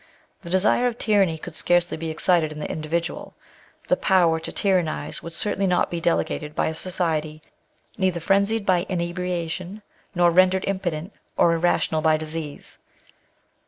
The desire of tyranny could scarcely be excited in the individual; the power to tyrannise would certainly not be delegated by a society neither frenzied by inebriation, nor rendered impotent or irrational by disease.